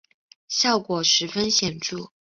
效果十分显著